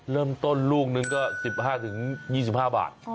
เริ่มต้นลูกนึงก็๑๕๒๕บาท